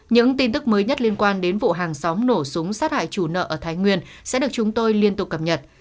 những tin tức mới nhất liên quan đến vụ hàng xóm nổ súng sát hại chủ nợ ở thái nguyên sẽ được chúng tôi liên tục cập nhật